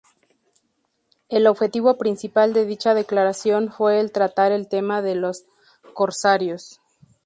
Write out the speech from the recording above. El objetivo principal de dicha declaración fue el tratar el tema de los corsarios.